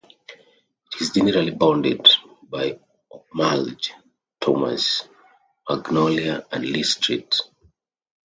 It is generally bounded by Ocmulgee, Thomas, Magnolia and Lee Streets.